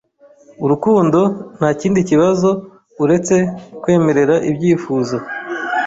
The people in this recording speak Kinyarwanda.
Urukundo ntakindi kibazo uretse kwemerera ibyifuzo